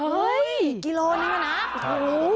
เฮ้ยกิโลนึงนะ